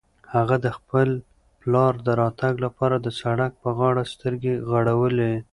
هغه د خپل پلار د راتګ لپاره د سړک په غاړه سترګې غړولې.